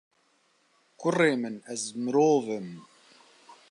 Kurê min, ez mirov im.